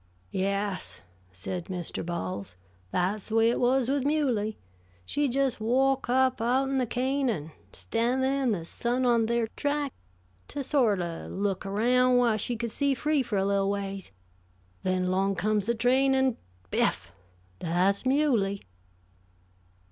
"Yes," said Mr. Bowles, "that's the way it was with Muley. She just walk up out'n the cane, and stan' thah in the sun on ther track, to sort o' look aroun' whah she could see free for a little ways. Then, 'long comes the railroad train, an' biff! Thah's Muley!"